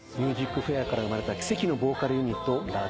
『ＭＵＳＩＣＦＡＩＲ』から生まれた奇跡のボーカルユニットＬＡＤＩＶＡ。